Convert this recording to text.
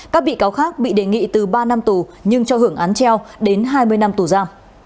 các bị cáo khác bị đề nghị từ ba năm tù nhưng cho hưởng án treo đến hai mươi năm tù ra